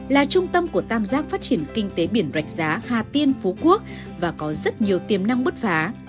là trung tâm của tam giác phát triển kinh tế biển rạch giá hà tiên phú quốc và có rất nhiều tiềm năng bứt phá